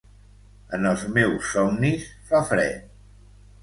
En els meus somnis fa fred.